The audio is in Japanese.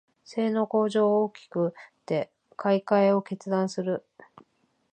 性能向上が大きくて買いかえを決断する